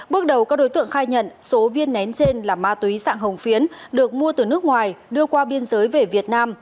bước đầu các đối tượng khai nhận số viên nén trên là ma túy sạng hồng phiến được mua từ nước ngoài đưa qua biên giới về việt nam